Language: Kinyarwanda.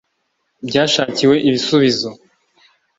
byashakiwe ibisubizo